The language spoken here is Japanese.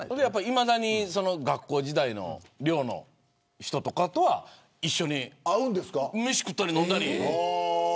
いまだに学校時代の寮の人とかと一緒に飯を食ったり、飲んだり。